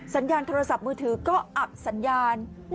สัญญาณโทรศัพท์มือถือก็อับสัญญาณ